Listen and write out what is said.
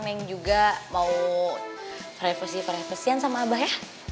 neng juga mau privacy privacyan sama abah ya